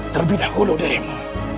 terlebih dahulu dirimu